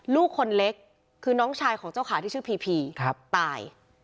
ลูกคนเล็กคือน้องชายของเจ้าขาที่ชื่อพีพีตาย